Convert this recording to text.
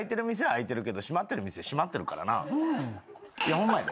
ホンマやで。